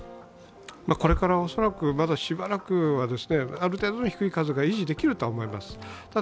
これから恐らくまだしばらくは、ある程度の低い数が維持できるとは思います。